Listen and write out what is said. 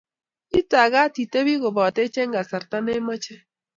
Itagat itepi kopotech eng kasarta ne machei